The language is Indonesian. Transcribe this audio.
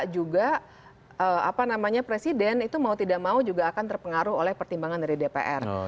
juga apa namanya presiden itu mau tidak mau juga akan terpengaruh oleh pertimbangan dari dpr